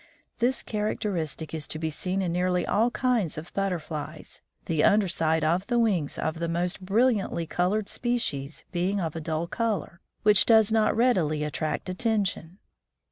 "This characteristic is to be seen in nearly all kinds of butterflies, the under side of the wings of the most brilliantly colored species being of a dull color which does not readily attract attention.